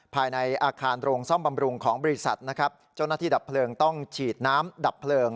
ภายในอาคารโรงซ่อมบำรุงของบริษัทนะครับเจ้าหน้าที่ดับเพลิงต้องฉีดน้ำดับเพลิง